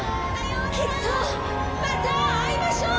きっとまた会いましょう！